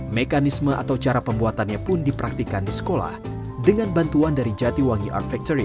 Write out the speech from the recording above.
mekanisme atau cara pembuatannya pun dipraktikan di sekolah dengan bantuan dari jatiwangi art factory